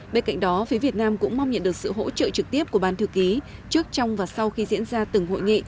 bên cạnh đó phía việt nam cũng mong nhận được sự hỗ trợ trực tiếp của ban thư ký trước trong và sau khi diễn ra từng hội nghị